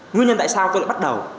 nguyên nhân tại sao tôi lại bắt đầu